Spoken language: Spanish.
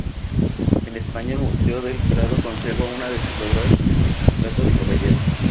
En España el Museo del Prado conserva una de sus obras, "Retrato de caballero".